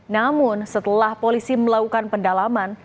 namun setelah polisi melakukan pendalaman